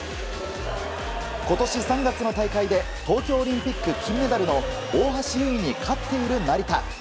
今年３月の大会で東京オリンピック金メダルの大橋悠依に勝っている成田。